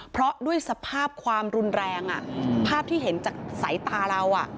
เพราะด้วยสภาพความรุนแรงภาพที่เห็นจากสายตาเรา